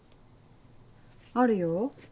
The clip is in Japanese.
あるよ。